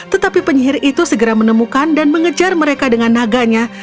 tetapi penyihir itu segera menemukan dan mengejar mereka dengan naganya